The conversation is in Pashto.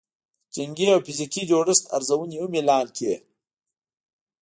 د جنګي او فزیکي جوړښت ارزونې هم اعلان کړې